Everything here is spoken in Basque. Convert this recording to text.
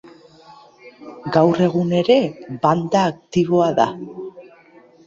Gaur egun ere banda aktiboa da.